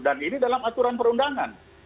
dan ini dalam aturan perundangan